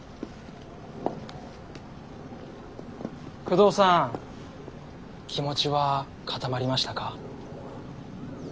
久遠さん気持ちは固まりましたか。